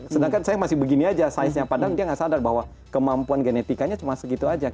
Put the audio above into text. sedangkan saya masih begini saja saiznya padahal dia tidak sadar bahwa kemampuan genetikanya cuma segitu saja